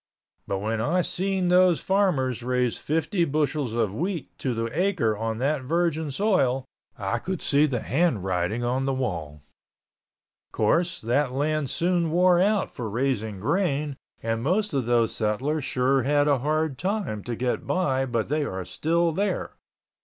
But when I seen those farmers raise fifty bushels of wheat to the acre on that virgin soil I could see the handwriting on the wall. Course that land soon wore out for raising grain and most of those settlers sure had a hard time to get by but they are still there.